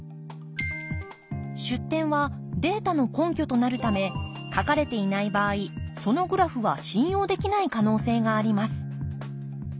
出典はデータの根拠となるため書かれていない場合そのグラフは信用できない可能性があります。